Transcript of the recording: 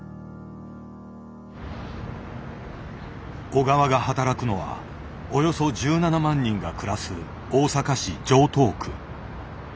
小川が働くのはおよそ１７万人が暮らす大阪市城東区。